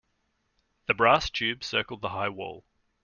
The brass tube circled the high wall.